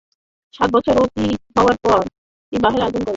সাত বছর অতীত হবার পর লাবান বিবাহের আয়োজন করেন।